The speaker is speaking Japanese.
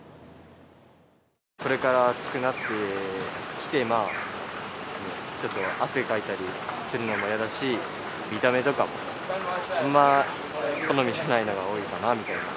これから暑くなってきて、ちょっと汗かいたりするのも嫌だし、見た目とかも、あんま、好みじゃないのが多いかなみたいな。